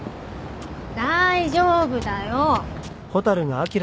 大丈夫だよ。